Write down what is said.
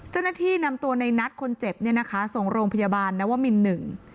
เจ้าหน้าที่นำตัวในนัทคนเจ็บเนี่ยนะคะส่งโรงพยาบาลนวมินหนึ่ง